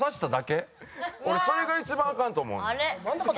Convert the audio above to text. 俺それが一番アカンと思うねん。